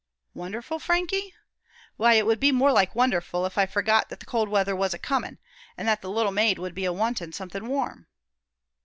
"'Wonderful, Frankie? Why, it would be more like wonderful if I forgot that the cold weather was a coming, and that the little maid would be a wanting something warm.'